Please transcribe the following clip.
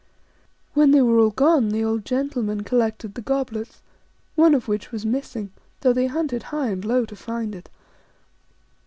When they were all gone the old gentleman collected the goblets, one of which was missing, though they hunted high and low to find it.